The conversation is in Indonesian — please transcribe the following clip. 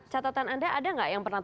catatan anda ada nggak yang pernah